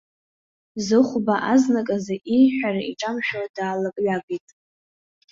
Зыхәба азныказы ииҳәара иҿамшәо даалакҩакит.